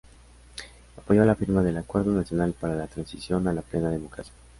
Apoyó la firma del Acuerdo Nacional para la Transición a la Plena Democracia.